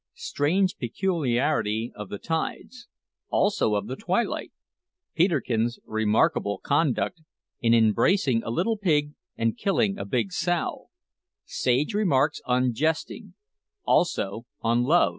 STRANGE PECULIARITY OF THE TIDES ALSO OF THE TWILIGHT PETERKIN'S REMARKABLE CONDUCT IN EMBRACING A LITTLE PIG AND KILLING A BIG SOW SAGE REMARKS ON JESTING ALSO ON LOVE.